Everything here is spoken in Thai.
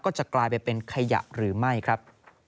จะกลายไปเป็นขยะหรือไม่ครับ